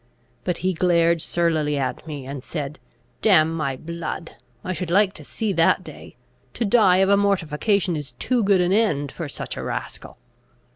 But he glared surlily at me, and said, "Damn my blood! I should like to see that day. To die of a mortification is too good an end for such a rascal!"